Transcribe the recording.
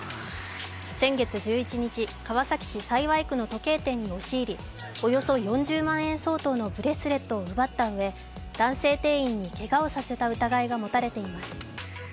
先月１１日、川崎市幸区の時計店に押し入り、およそ４０万円相当のブレスレットを奪ったうえ男性店員にけがをさせた疑いが持たれています。